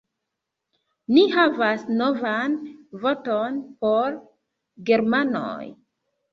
Ni havas novan vorton por germanoj